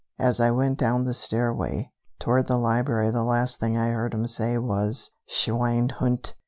As I went down the stairway toward the library the last thing I heard him say was: "Schweinhund!"